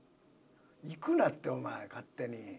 行くなってお前勝手に。